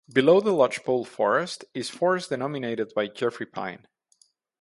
Below the lodgepole forest is forest dominated by Jeffrey pine.